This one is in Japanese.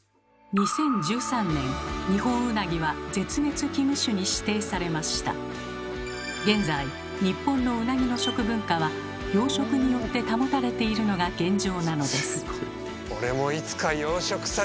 ２０１３年ニホンウナギは現在日本のウナギの食文化は養殖によって保たれているのが現状なのです。